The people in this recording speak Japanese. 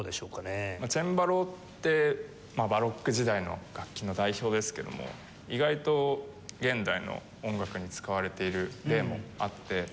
チェンバロってバロック時代の楽器の代表ですけども意外と現代の音楽に使われている例もあって。